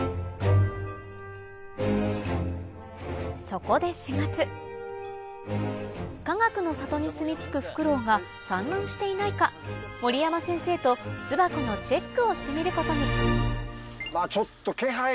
そこでかがくの里にすみ着くフクロウが産卵していないか守山先生と巣箱のチェックをしてみることにまぁちょっと。